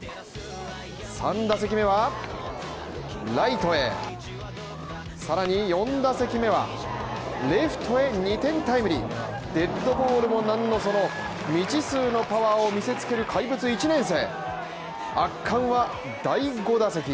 ３打席目はライトへさらに４打席目はレフトへ２点タイムリーデッドホールもなんのその、未知数のパワーを見せつける怪物１年生。